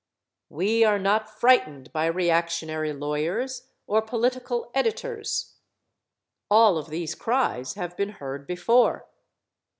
We are not frightened by reactionary lawyers or political editors. All of these cries have been heard before.